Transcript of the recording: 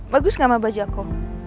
bagus nggak sama baju aku